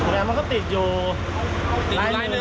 มันก็ติดอยู่